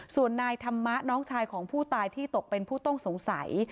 ส่วนนายธรรมะน้องชายของผู้ตายที่ตกเป็นผู้ต้องสงสัย